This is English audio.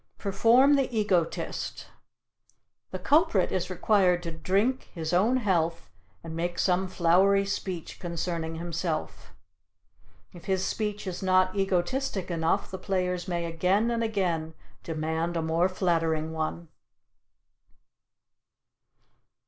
Perform the Egotist. The culprit is required to drink his own health and make some flowery speech concerning himself. If his speech is not egotistic enough the players may again and again demand a more flattering one.